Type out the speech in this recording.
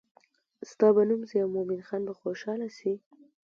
ستا به نوم شي او مومن خان به خوشحاله شي.